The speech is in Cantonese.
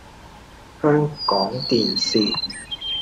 香港電視